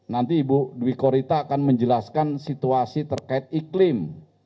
nanti ibu dwi korita akan menjelaskan situasi terkait iklim